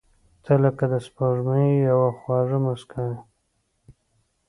• ته لکه د سپوږمۍ یوه خواږه موسکا یې.